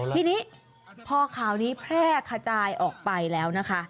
ทีนี้พอข่าวนี้แพร่ขจายออกไปแล้วนะคะ